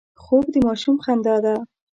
خوب د ماشوم خندا ده